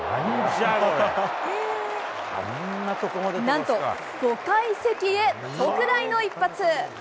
なんと５階席へ、特大の一発。